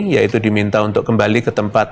yaitu diminta untuk kembali ke tempat